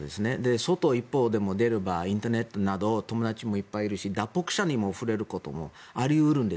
外、出ればインターネットなど友達もいるし脱北者に触れることもあり得るんです。